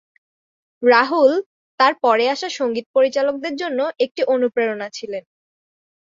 রাহুল তার পরে আসা সঙ্গীত পরিচালকদের জন্য একটি অনুপ্রেরণা ছিলেন।